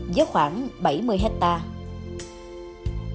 giới khoảng bảy mươi hectare